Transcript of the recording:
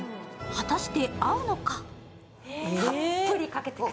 果たして、合うのか？